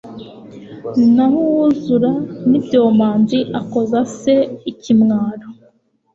naho uwuzura n'ibyomanzi akoza se ikimwaro